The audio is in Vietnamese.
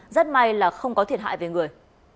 rất may là không có thiệt hại về người